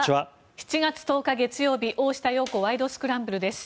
７月１０日、月曜日「大下容子ワイド！スクランブル」です。